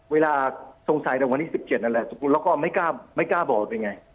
เวลาสงสัยตลงวันนี้๑๗นั้นไหล้แล้วก็ไม่กล้าไม่กล้าบอกไปไง